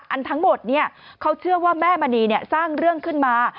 ทั้งหมดเขาเชื่อว่าแม่มณีสร้างเรื่องขึ้นมา